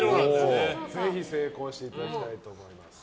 ぜひ成功していただきたいと思います。